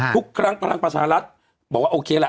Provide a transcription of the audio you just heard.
ทุกครั้งพลังประชารัฐบอกว่าโอเคละ